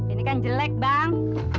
ini kan jelek bang